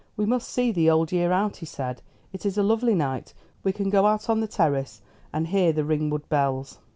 "We must see the old year out," he said. "It is a lovely night. We can go out on the terrace and hear the Ringwood bells."